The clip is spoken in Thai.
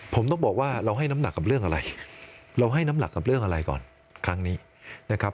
ผมต้องบอกว่าเราให้น้ำหนักกับเรื่องอะไรก่อนครั้งนี้นะครับ